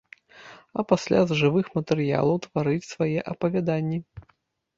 А пасля з жывых матэрыялаў тварыць свае апавяданні.